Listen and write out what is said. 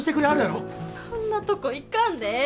そんなとこ行かんでええ！